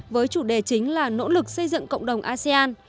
với chủ đề chính là nỗ lực xây dựng cộng đồng asean